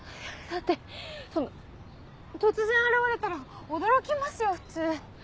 だってそんな突然現れたら驚きますよ普通。